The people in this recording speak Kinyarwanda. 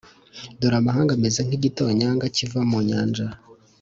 Dore amahanga ameze nk’igitonyanga kiva mu nyanja,